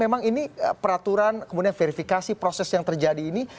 memang ini peraturan kemudian verifikasi proses yang terjadi ini